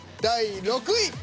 第６位。